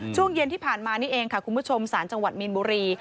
ช่วงเย็นที่ผ่านมานี่เองค่ะคุณผู้ชมศาลจังหวัดมีนบุรี